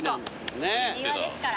庭ですから。